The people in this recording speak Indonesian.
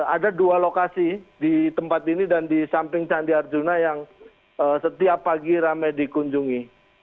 ada dua lokasi di tempat ini dan di samping candi arjuna yang setiap pagi ramai dikunjungi